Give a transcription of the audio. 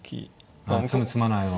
ああ詰む詰まないは。